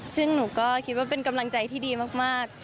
ซึ่งหนูก็คิดว่าเป็นกำลังใจที่ดีมาก